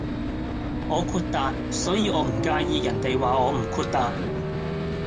我豁達，所以我唔介意人地話我唔豁達